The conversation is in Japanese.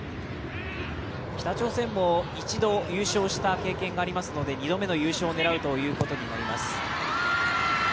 北朝鮮も一度優勝した経験がありますので、２度目の優勝を狙うということになります。